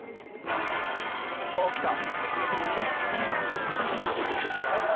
おっきた！